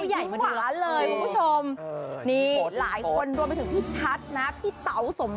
เหมือนพี่ดังทัดปลอน